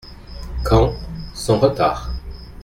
—Quand ? —Sans retard.